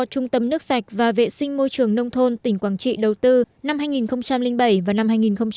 trung tâm nước sạch và vệ sinh môi trường nông thôn tỉnh quảng trị đầu tư năm hai nghìn bảy và năm hai nghìn một mươi